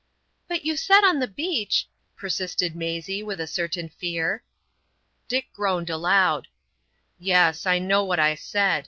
"But you said on the beach——" persisted Maisie, with a certain fear. Dick groaned aloud: "Yes, I know what I said.